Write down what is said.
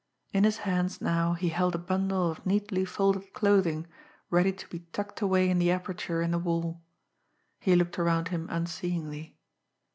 In his hands now he held a bundle of neatly folded clothing ready to be tucked away in the aperture in the wall. He looked around him unseeingly.